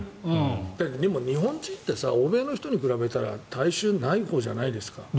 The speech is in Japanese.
でも、日本人って欧米の人に比べたら体臭ないほうじゃないですか？